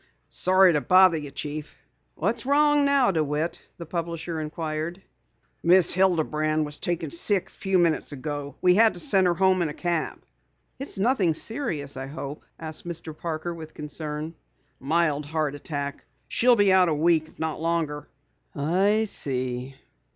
"Sorry to bother you, Chief." "What's wrong now, DeWitt?" the publisher inquired. "Miss Hilderman was taken sick a few minutes ago. We had to send her home in a cab." "It's nothing serious I hope," said Mr. Parker with concern. "A mild heart attack. She'll be out a week, if not longer." "I see.